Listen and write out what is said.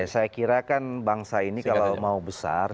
saya kira kan bangsa ini kalau mau besar